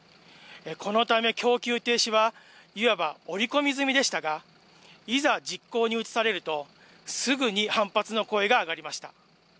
このため供給停止はいわば織り込み済みでしたが、いざ実行に移されると、すぐに反発の声が上がりました。